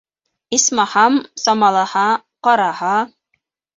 Исмаһам, самалаһа, ҡараһа...